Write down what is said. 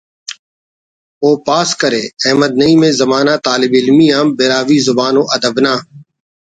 و پاس کرے احمد نعیم ءِ زمانہ طالب علمی آن براہوئی زبان و ادب نا